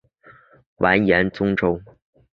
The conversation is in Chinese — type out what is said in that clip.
完颜宗弼。